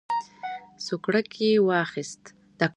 سوکړک یې واخیست.